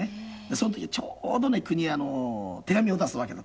その時ちょうどね国へ手紙を出すわけだったんです。